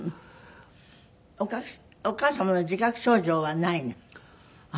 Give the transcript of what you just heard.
お母様の自覚症状はないの？